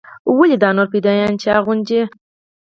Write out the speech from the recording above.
ولې دا نور فدايان چې يې اغوندي.